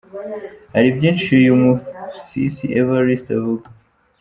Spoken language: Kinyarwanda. Hari byinshi uyu Sisi Evariste avuga :